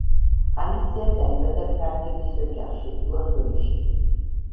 ალისია დაიბადა ფრანგების ოჯახში, ლონდონში.